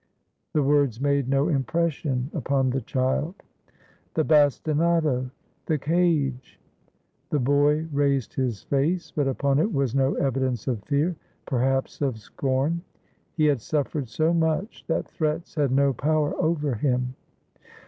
The words made no impression upon the child. "The bastinado? The cage?" The boy raised his face, but upon it was no evidence of fear; perhaps of scorn. He had suffered so much that threats had no power over him.